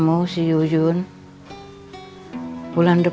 mesti akan mas bersemangat